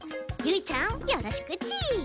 ゆいちゃんよろしくち！